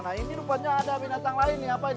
nah ini lupanya ada binatang lain nih apa ini